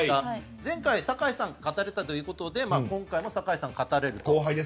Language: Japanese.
前回、酒井さんが勝たれたということで今回も酒井さんが勝たれると。